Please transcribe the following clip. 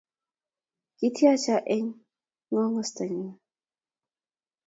ki'tiacha eng 'ng'ogistanyu